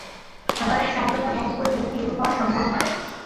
আবার এক সম্প্রদায় মনে করিলেন, এইরূপ হওয়া সম্ভব নয়।